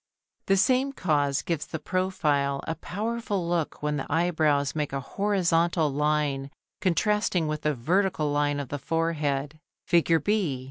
The same cause gives the profile a powerful look when the eyebrows make a horizontal line contrasting with the vertical line of the forehead (Fig. B).